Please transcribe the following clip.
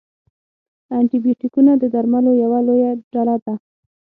انټي بیوټیکونه د درملو یوه لویه ډله ده.